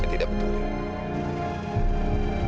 saya tidak peduli